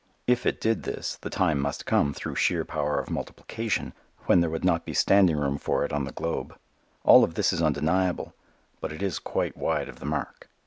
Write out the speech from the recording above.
If it did this, the time must come, through sheer power of multiplication, when there would not be standing room for it on the globe. All of this is undeniable, but it is quite wide of the mark.